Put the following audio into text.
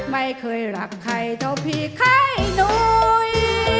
ไม่เคยรักใครเท่าพี่ค่ายนุ้ย